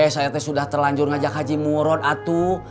saya teh sudah terlanjur ngajak haji murot atuh